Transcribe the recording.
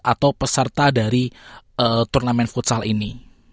atau peserta dari turnamen futsal ini